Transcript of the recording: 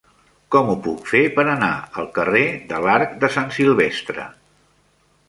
Com ho puc fer per anar al carrer de l'Arc de Sant Silvestre?